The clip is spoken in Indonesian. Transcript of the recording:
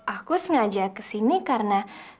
aku sengaja kesini karena